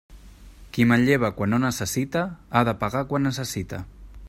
Qui manlleva quan no necessita, ha de pagar quan necessita.